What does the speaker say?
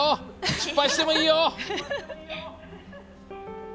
失敗してもいいよ！